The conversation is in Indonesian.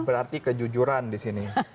berarti kejujuran di sini